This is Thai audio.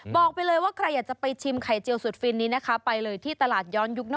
บอกไปเลยว่าใครอยากจะไปชิมไข่เจียวสุดฟินนี้นะคะไปเลยที่ตลาดย้อนยุค